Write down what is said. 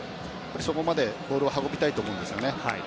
そこまでボールを運びたいと思うんですよね。